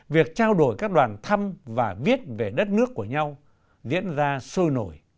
việc trao đổi các đoàn thăm và viết về đất nước của nhau diễn ra sôi nổi